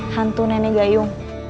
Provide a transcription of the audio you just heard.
hantu nenek gayung